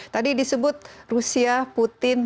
tadi disebut rusia putin